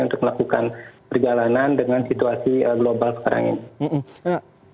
untuk melakukan perjalanan dengan situasi global sekarang ini